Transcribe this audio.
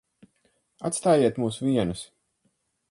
Atstājiet mūs vienus.